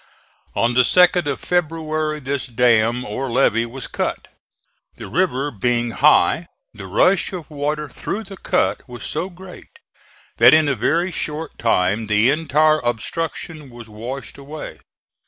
On the 2d of February this dam, or levee, was cut. The river being high the rush of water through the cut was so great that in a very short time the entire obstruction was washed away.